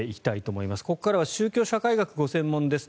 ここからは宗教社会学がご専門です